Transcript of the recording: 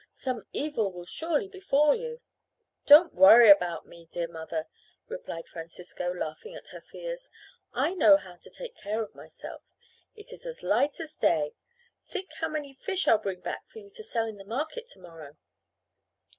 Some evil will surely befall you." "Don't worry about me, dear mother," replied Francisco, laughing at her fears. "I know how to take care of myself. It is as light as day. Think how many fish I'll bring back for you to sell in the market to morrow."